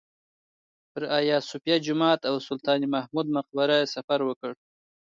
پر ایا صوفیه جومات او سلطان محمود مقبره یې سفر وکړ.